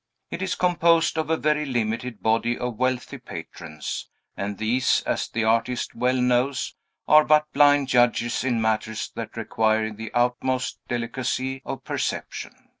It is composed of a very limited body of wealthy patrons; and these, as the artist well knows, are but blind judges in matters that require the utmost delicacy of perception.